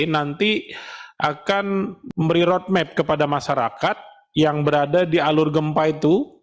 nanti akan memberi roadmap kepada masyarakat yang berada di alur gempa itu